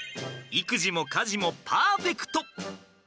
育児も家事もパーフェクト！